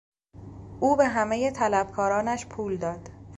او به همهی طلبکارانش پول داد.